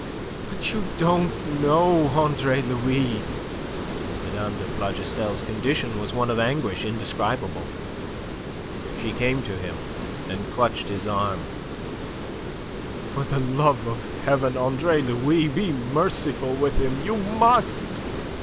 "But you don't know, Andre Louis!" Mme. de Plougastel's condition was one of anguish indescribable. She came to him and clutched his arm. "For the love of Heaven, Andre Louis, be merciful with him! You must!"